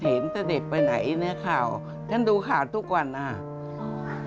เห็นแต่เด็กไปไหนในข่าวท่านดูข่าวทุกวันนะครับ